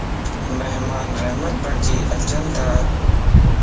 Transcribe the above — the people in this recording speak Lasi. مھمان رحمت بنجي اچينتا